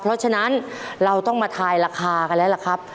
เพราะฉะนั้นเราต้องมาทายราคากันแล้วล่ะครับ